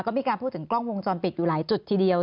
ก็มีการพูดถึงกล้องวงจรปิดอยู่หลายจุดทีเดียว